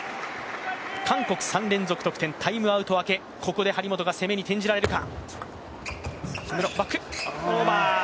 韓国３連続得点、タイムアウト明け、ここで張本が攻めに転じられるか。